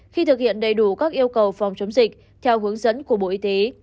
khi thực hiện đầy đủ các yêu cầu phòng chống dịch theo hướng dẫn của bộ y tế